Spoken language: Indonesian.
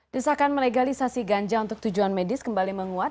desakan melegalisasi ganja untuk tujuan medis kembali menguat